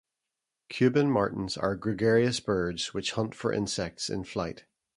Cuban martins are gregarious birds which hunt for insects in flight.